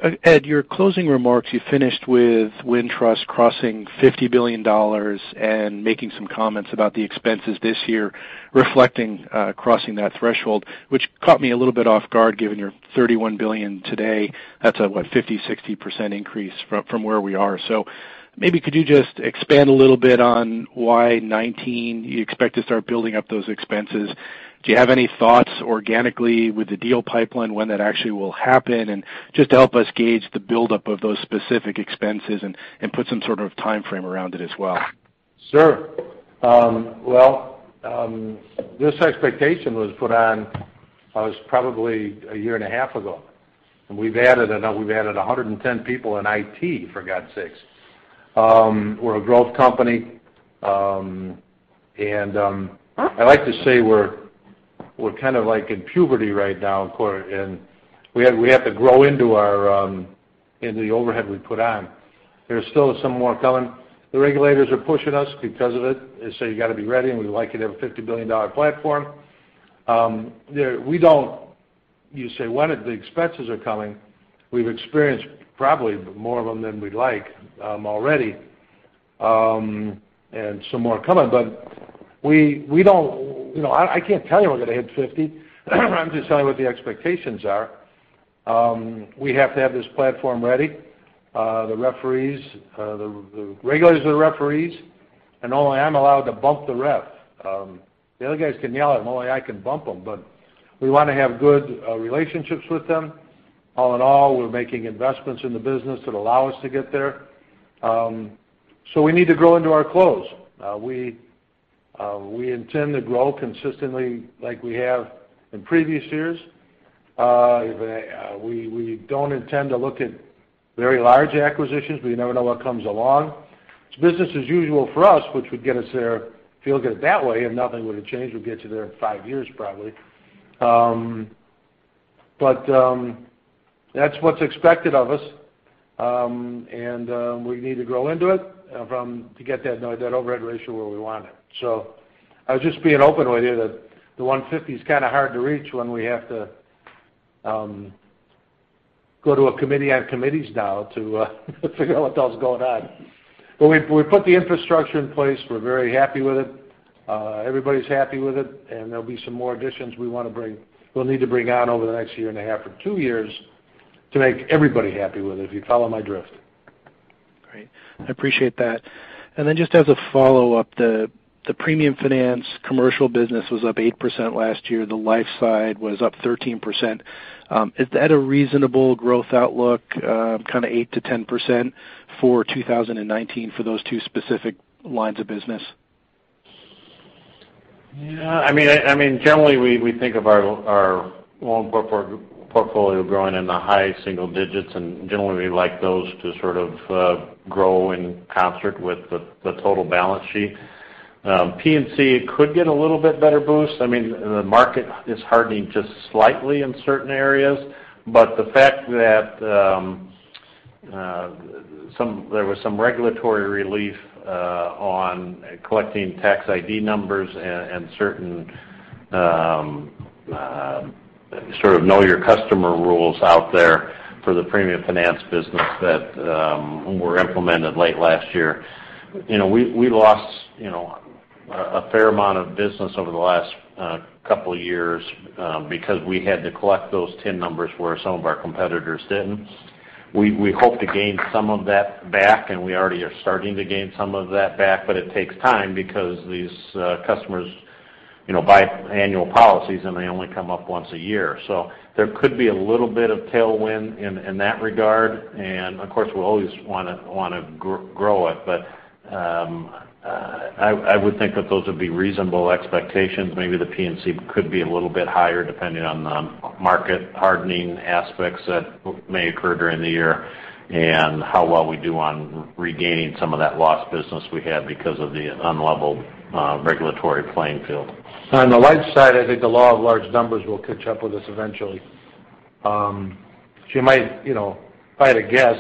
S3: Terry.
S8: Ed, your closing remarks, you finished with Wintrust crossing $50 billion and making some comments about the expenses this year reflecting crossing that threshold. Which caught me a little bit off guard given your $31 billion today. That's a what? 50%, 60% increase from where we are. Maybe could you just expand a little bit on why 2019 you expect to start building up those expenses? Do you have any thoughts organically with the deal pipeline when that actually will happen? Just to help us gauge the buildup of those specific expenses and put some sort of timeframe around it as well.
S2: Sure. This expectation was put on, it was probably a year and a half ago. We've added 110 people in IT, for God's sakes. We're a growth company. I like to say we're kind of like in puberty right now, and we have to grow into the overhead we put on. There's still some more coming. The regulators are pushing us because of it. They say you got to be ready, and we'd like you to have a $50 billion platform. You say when the expenses are coming. We've experienced probably more of them than we'd like already. Some more are coming. I can't tell you we're going to hit 50. I'm just telling you what the expectations are. We have to have this platform ready. The regulators are the referees, and only I'm allowed to bump the ref. The other guys can yell at him. Only I can bump him. We want to have good relationships with them. All in all, we're making investments in the business that allow us to get there. We need to grow into our clothes. We intend to grow consistently like we have in previous years. We don't intend to look at very large acquisitions, but you never know what comes along. It's business as usual for us, which would get us there if you look at it that way, and nothing would have changed. We'll get you there in five years, probably. That's what's expected of us. We need to grow into it to get that overhead ratio where we want it. I was just being open with you that the 150 is kind of hard to reach when we have to go to a committee on committees now to figure out what the hell's going on. We put the infrastructure in place. We're very happy with it. Everybody's happy with it. There'll be some more additions we'll need to bring on over the next year and a half or two years to make everybody happy with it, if you follow my drift.
S8: Great. I appreciate that. Just as a follow-up, the premium finance commercial business was up 8% last year. The life side was up 13%. Is that a reasonable growth outlook, kind of 8%-10% for 2019 for those two specific lines of business?
S3: Generally, we think of our loan portfolio growing in the high single digits, and generally, we like those to sort of grow in concert with the total balance sheet. P&C could get a little bit better boost. The market is hardening just slightly in certain areas. The fact that there was some regulatory relief on collecting tax ID numbers and certain sort of know your customer rules out there for the premium finance business that were implemented late last year. We lost a fair amount of business over the last couple of years because we had to collect those TIN numbers where some of our competitors didn't. We hope to gain some of that back, and we already are starting to gain some of that back, but it takes time because these customers buy annual policies, and they only come up once a year. There could be a little bit of tailwind in that regard. Of course, we'll always want to grow it. I would think that those would be reasonable expectations. Maybe the P&C could be a little bit higher depending on the market hardening aspects that may occur during the year, and how well we do on regaining some of that lost business we had because of the unleveled regulatory playing field.
S2: On the life side, I think the law of large numbers will catch up with us eventually. If I had to guess,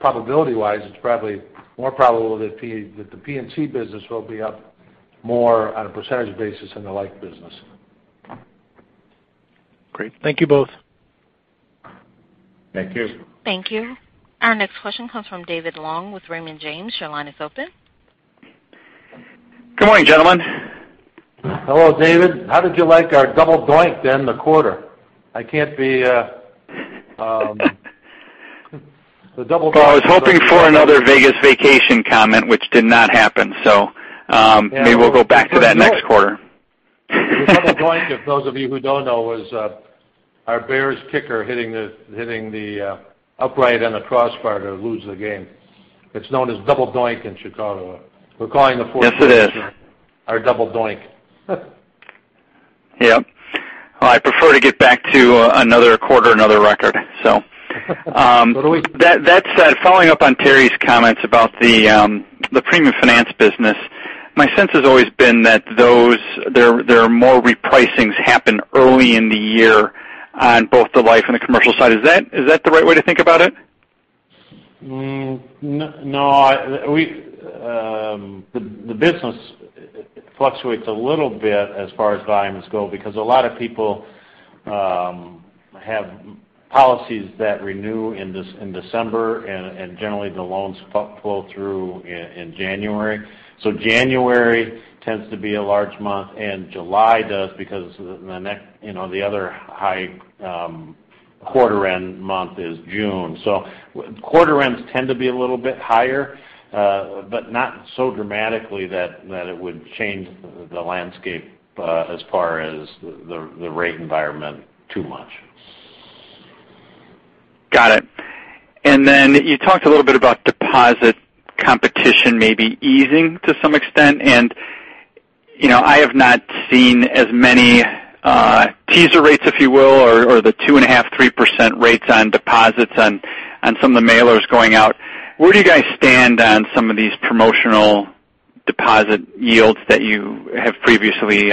S2: probability-wise, it's probably more probable that the P&C business will be up more on a percentage basis than the life business.
S8: Great. Thank you both.
S3: Thank you.
S1: Thank you. Our next question comes from David Long with Raymond James. Your line is open.
S9: Good morning, gentlemen.
S2: Hello, David. How did you like our double doink to end the quarter? I can't be The double doink-
S9: Oh, I was hoping for another Vegas vacation comment, which did not happen. Maybe we'll go back to that next quarter.
S2: The double doink, for those of you who don't know, was our Bears kicker hitting the upright and the crossbar to lose the game. It's known as double doink in Chicago. We're calling the fourth quarter-
S9: Yes, it is
S2: our double doink.
S9: Yep. Well, I prefer to get back to another quarter, another record. So.
S2: Do we.
S9: That said, following up on Terry's comments about the premium finance business, my sense has always been that there are more repricings happen early in the year on both the life and the commercial side. Is that the right way to think about it?
S3: No. The business fluctuates a little bit as far as volumes go because a lot of people have policies that renew in December, and generally the loans flow through in January. January tends to be a large month, and July does because the other high quarter end month is June. Quarter ends tend to be a little bit higher but not so dramatically that it would change the landscape as far as the rate environment too much.
S9: Got it. Then you talked a little bit about deposit competition maybe easing to some extent, and I have not seen as many teaser rates, if you will, or the 2.5%, 3% rates on deposits on some of the mailers going out. Where do you guys stand on some of these promotional deposit yields that you have previously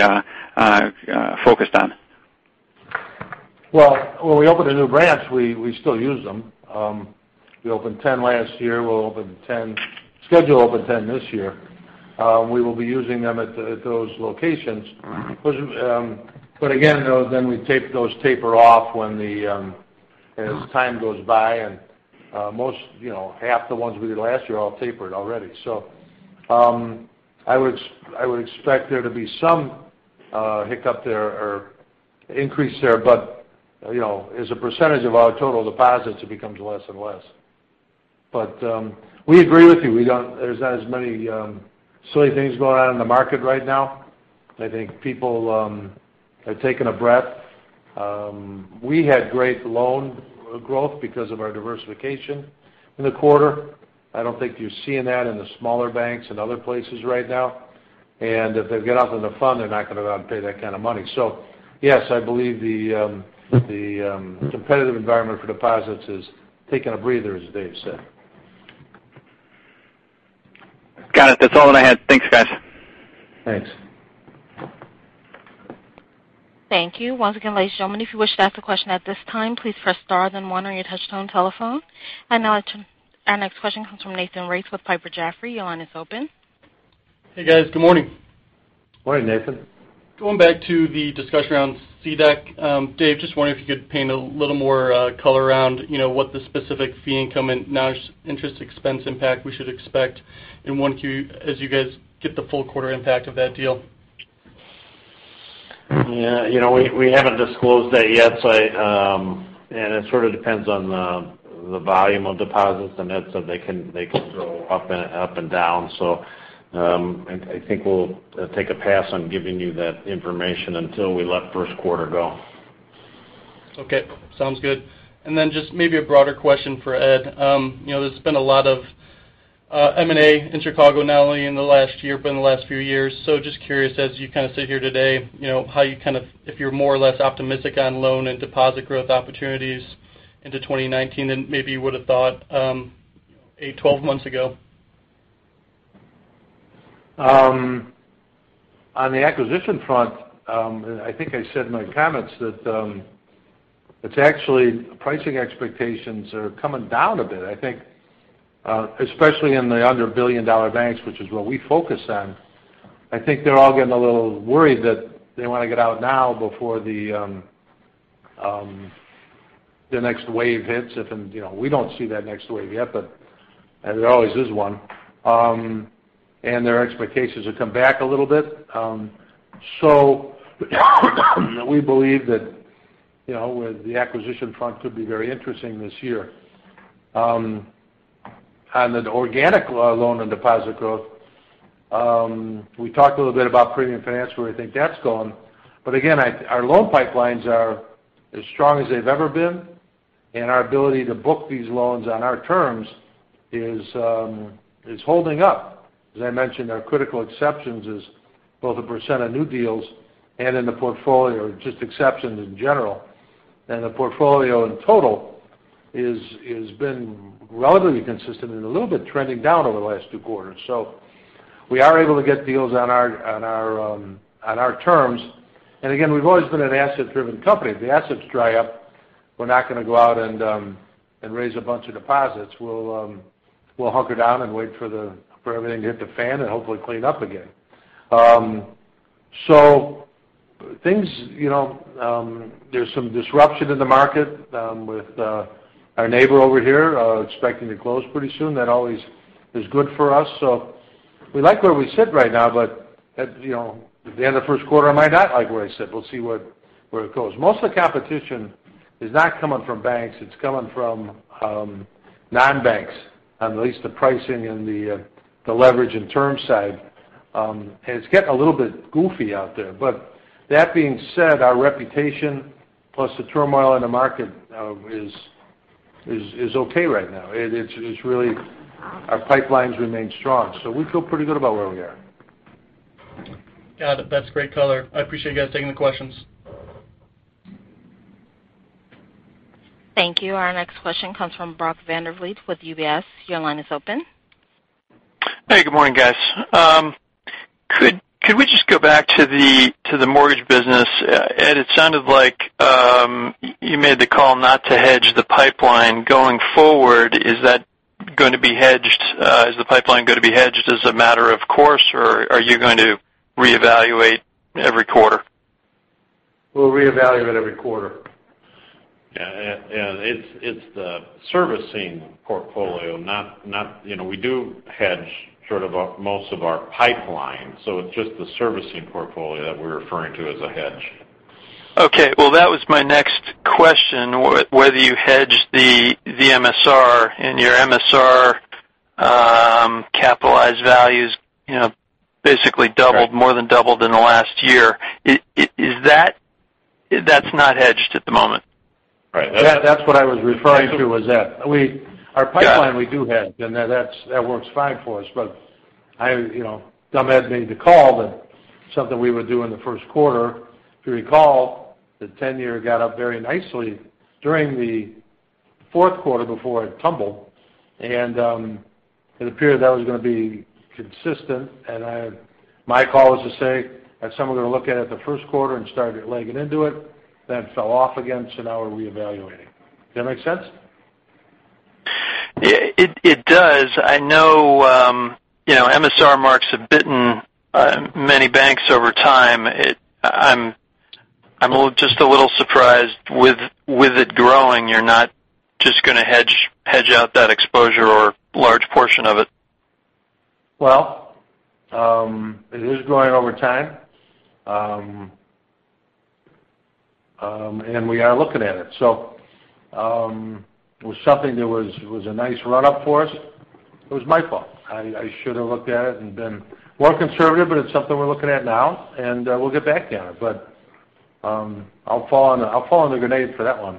S9: focused on?
S2: Well, when we open the new branch, we still use them. We opened 10 last year. We're scheduled to open 10 this year. We will be using them at those locations. Again, those taper off as time goes by, and half the ones we did last year all tapered already. I would expect there to be some hiccup there or increase there. As a % of our total deposits, it becomes less and less. We agree with you. There's not as many silly things going on in the market right now. I think people have taken a breath. We had great loan growth because of our diversification in the quarter. I don't think you're seeing that in the smaller banks and other places right now. If they get out in the fund, they're not going to pay that kind of money. Yes, I believe the competitive environment for deposits is taking a breather, as Dave said.
S9: Got it. That's all that I had. Thanks, guys.
S2: Thanks.
S1: Thank you. Once again, ladies and gentlemen, if you wish to ask a question at this time, please press star then one on your touchtone telephone. Now our next question comes from Nathan Race with Piper Jaffray. Your line is open.
S10: Hey, guys. Good morning.
S2: Morning, Nathan.
S10: Going back to the discussion around CDEC. Dave, just wondering if you could paint a little more color around what the specific fee income and non-interest expense impact we should expect as you guys get the full quarter impact of that deal.
S3: Yeah. We haven't disclosed that yet. It sort of depends on the volume of deposits and that, they can go up and down. I think we'll take a pass on giving you that information until we let first quarter go.
S10: Okay, sounds good. Just maybe a broader question for Ed. There's been a lot of M&A in Chicago, not only in the last year, but in the last few years. Just curious as you kind of sit here today, if you're more or less optimistic on loan and deposit growth opportunities into 2019 than maybe you would have thought 12 months ago.
S2: On the acquisition front, I think I said in my comments that it's actually pricing expectations are coming down a bit. I think especially in the under billion-dollar banks, which is what we focus on. I think they're all getting a little worried that they want to get out now before the next wave hits. We don't see that next wave yet, but there always is one. Their expectations have come back a little bit. We believe that the acquisition front could be very interesting this year. On the organic loan and deposit growth, we talked a little bit about Premium Financial. We think that's gone. Again, our loan pipelines are as strong as they've ever been, and our ability to book these loans on our terms is holding up. As I mentioned, our critical exceptions is both a percent of new deals and in the portfolio, just exceptions in general. The portfolio in total has been relatively consistent and a little bit trending down over the last two quarters. We are able to get deals on our terms. Again, we've always been an asset-driven company. If the assets dry up, we'll hunker down and wait for everything to hit the fan and hopefully clean up again. There's some disruption in the market with our neighbor over here expecting to close pretty soon. That always is good for us. We like where we sit right now, but at the end of first quarter, I might not like where I sit. We'll see where it goes. Most of the competition is not coming from banks, it's coming from non-banks, on at least the pricing and the leverage and term side. It's getting a little bit goofy out there. That being said, our reputation plus the turmoil in the market is okay right now. Our pipelines remain strong, we feel pretty good about where we are.
S10: Got it. That's great color. I appreciate you guys taking the questions.
S1: Thank you. Our next question comes from Brock Vandervliet with UBS. Your line is open.
S11: Hey, good morning, guys. Could we just go back to the mortgage business? Ed, it sounded like you made the call not to hedge the pipeline. Going forward, is the pipeline going to be hedged as a matter of course, or are you going to reevaluate every quarter?
S2: We'll reevaluate every quarter.
S3: It's the servicing portfolio. We do hedge sort of most of our pipeline, it's just the servicing portfolio that we're referring to as a hedge.
S11: Okay. Well, that was my next question, whether you hedged the MSR, your MSR capitalized values basically more than doubled in the last year. That's not hedged at the moment?
S3: Right.
S2: That's what I was referring to was that. Our pipeline we do hedge, that works fine for us. Dumb Ed made the call that something we would do in the first quarter. If you recall, the 10-year got up very nicely during the fourth quarter before it tumbled, it appeared that was going to be consistent, my call was to say that some are going to look at it the first quarter and started legging into it fell off again, now we're reevaluating. Does that make sense?
S11: It does. I know MSR marks have bitten many banks over time. I'm just a little surprised with it growing, you're not just going to hedge out that exposure or large portion of it.
S2: It is growing over time. We are looking at it. It was something that was a nice run-up for us. It was my fault. I should have looked at it and been more conservative, it's something we're looking at now, and we'll get back to you on it. I'll fall on the grenade for that one.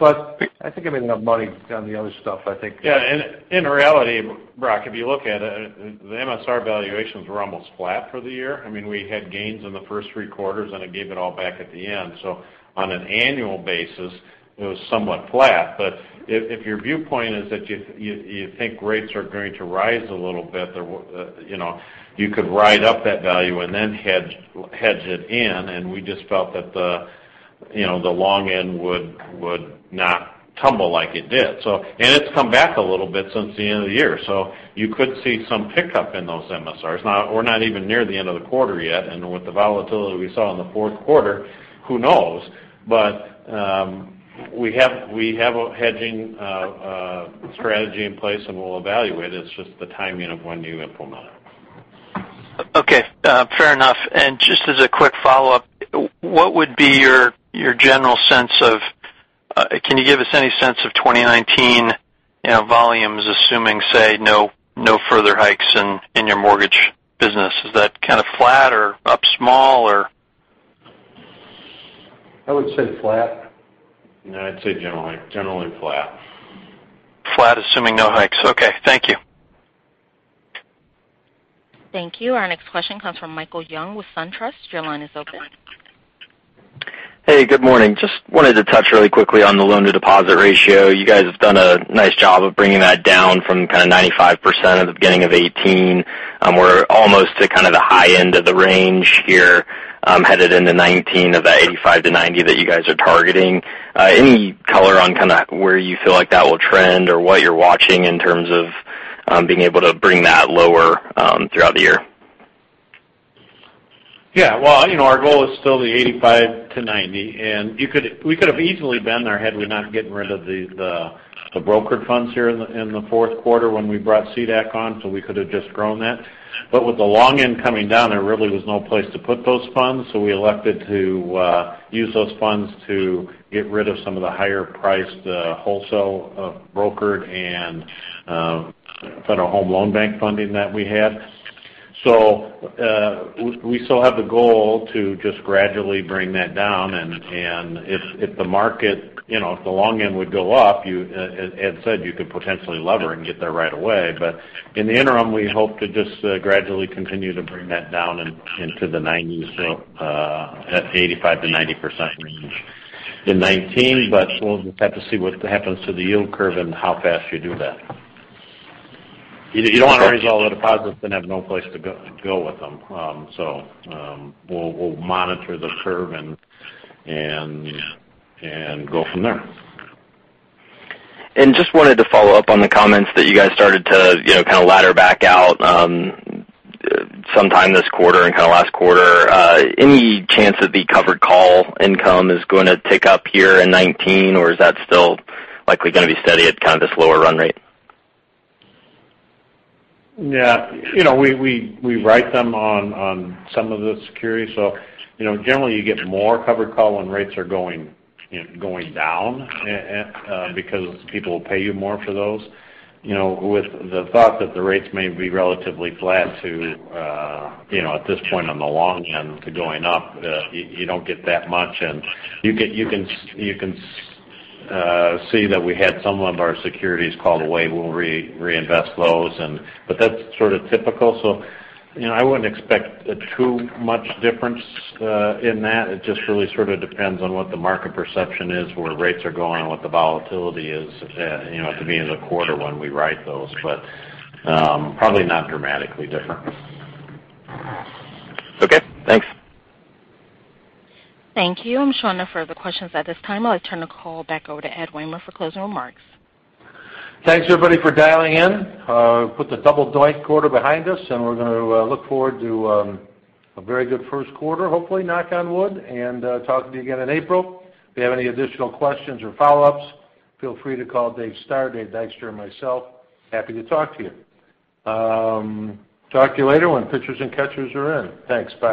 S2: I think I made enough money on the other stuff.
S3: Yeah, in reality, Brock, if you look at it, the MSR valuations were almost flat for the year. We had gains in the first three quarters, it gave it all back at the end. On an annual basis, it was somewhat flat. If your viewpoint is that you think rates are going to rise a little bit, you could ride up that value and then hedge it in, we just felt that the long end would not tumble like it did. It's come back a little bit since the end of the year, so you could see some pickup in those MSRs. We're not even near the end of the quarter yet, with the volatility we saw in the fourth quarter, who knows? We have a hedging strategy in place, and we'll evaluate. It's just the timing of when you implement it.
S11: Okay. Fair enough. Just as a quick follow-up, can you give us any sense of 2019 volumes, assuming, say, no further hikes in your mortgage business? Is that kind of flat or up small?
S2: I would say flat.
S3: Yeah, I'd say generally flat.
S11: Flat, assuming no hikes. Okay. Thank you.
S1: Thank you. Our next question comes from Michael Young with SunTrust. Your line is open.
S12: Hey, good morning. Just wanted to touch really quickly on the loan-to-deposit ratio. You guys have done a nice job of bringing that down from kind of 95% at the beginning of 2018. We're almost to kind of the high end of the range here headed into 2019 of that 85%-90% that you guys are targeting. Any color on kind of where you feel like that will trend or what you're watching in terms of being able to bring that lower throughout the year?
S3: Well, our goal is still the 85-90. We could have easily been there had we not gotten rid of the brokered funds here in the fourth quarter when we brought CDEC on, so we could have just grown that. With the long end coming down, there really was no place to put those funds, so we elected to use those funds to get rid of some of the higher priced wholesale brokered and Federal Home Loan Bank funding that we had. We still have the goal to just gradually bring that down, and if the market, if the long end would go up, you, as Ed said, you could potentially lever and get there right away. In the interim, we hope to just gradually continue to bring that down into the 90%, so that 85%-90% range in 2019. We'll just have to see what happens to the yield curve and how fast you do that. You don't want to raise all the deposits then have no place to go with them. We'll monitor the curve and go from there.
S12: Just wanted to follow up on the comments that you guys started to kind of ladder back out, sometime this quarter and kind of last quarter. Any chance that the covered call income is going to tick up here in 2019, or is that still likely going to be steady at kind of this lower run rate?
S3: We write them on some of the securities. Generally you get more covered call when rates are going down, because people will pay you more for those. With the thought that the rates may be relatively flat to, at this point on the long end to going up, you don't get that much. You can see that we had some of our securities called away. We'll reinvest those but that's sort of typical, so I wouldn't expect too much difference in that. It just really sort of depends on what the market perception is, where rates are going, and what the volatility is, to be in the quarter when we write those, but probably not dramatically different.
S12: Okay, thanks.
S1: Thank you, I'm showing no further questions at this time. I'll turn the call back over to Ed Wehmer for closing remarks.
S2: Thanks everybody for dialing in. Put the double doink quarter behind us, and we're going to look forward to a very good first quarter, hopefully, knock on wood, and talk to you again in April. If you have any additional questions or follow-ups, feel free to call David Stoehr, Dave Dykstra, or myself. Happy to talk to you. Talk to you later when pitchers and catchers are in. Thanks. Bye.